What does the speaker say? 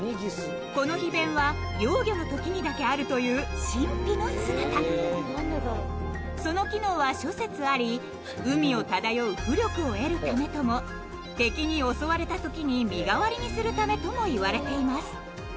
この皮弁は幼魚のときにだけあるという神秘の姿その機能は諸説あり海を漂う浮力を得るためとも敵に襲われたときに身代わりにするためとも言われています